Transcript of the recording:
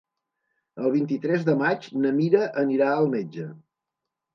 El vint-i-tres de maig na Mira anirà al metge.